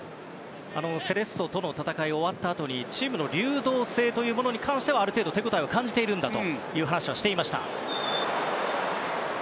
セレッソとの戦いが終わったあとにチームの流動性というものに関してはある程度、手応えを感じているんだという話はしていました。